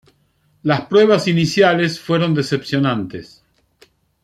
Las pruebas iniciales fueron decepcionantes.